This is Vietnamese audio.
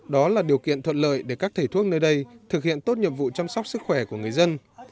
đó là điều kiện thuận lợi để các thể thuốc nơi đây thực hiện tốt nhiệm vụ chăm sóc sức khỏe của người dân